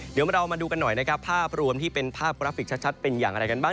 เดี๋ยวเรามาดูกันหน่อยนะครับภาพรวมที่เป็นภาพกราฟิกชัดเป็นอย่างอะไรกันบ้าง